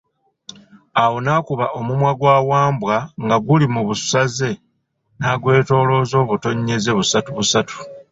Awo n'akuba omumwa gwa Wambwa nga guli mu busaze n'agwetolooza obutonyezze, busatu busatu.